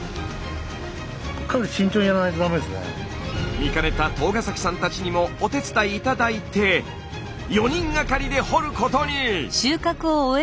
見かねた東ヶ崎さんたちにもお手伝い頂いて４人がかりで掘ることに！